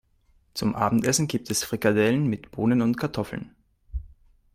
Zum Abendessen gibt es Frikadellen mit Bohnen und Kartoffeln.